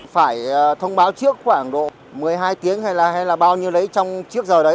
phải thông báo trước khoảng độ một mươi hai tiếng hay là bao nhiêu đấy trong chiếc giờ đấy